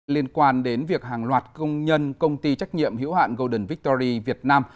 liên quan đến việc hàng loạt công nhân công ty trách nhiệm hiểu hạn golden victory việt nam